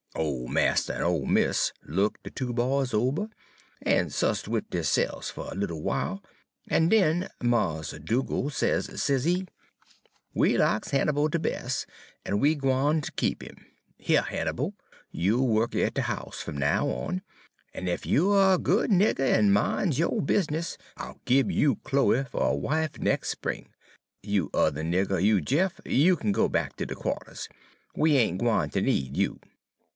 Ole marster en ole mis' look' de two boys ober, en 'sco'sed wid deyse'ves fer a little w'ile, en den Mars' Dugal' sez, sezee: "'We lacks Hannibal de bes', en we gwine ter keep him. Heah, Hannibal, you'll wuk at de house fum now on. En ef you er a good nigger en min's yo' bizness, I'll gib you Chloe fer a wife nex' spring. You other nigger, you Jeff, you kin go back ter de qua'ters. We ain' gwine ter need you.'